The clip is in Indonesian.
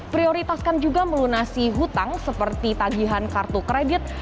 prioritaskan juga melunasi hutang seperti tagihan kartu kredit